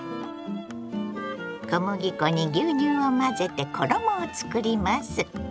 小麦粉に牛乳を混ぜて衣を作ります。